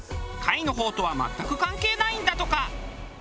貝の方とは全く関係ないんだとか。